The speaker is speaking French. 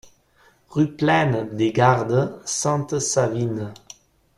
Rue Plaine des Gardes, Sainte-Savine